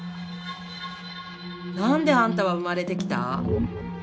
なんで、あんたは生まれてきた？